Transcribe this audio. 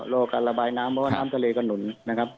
รอการระบายน้ำเพราะว่าน้ำทะเลกระหนุนนะครับ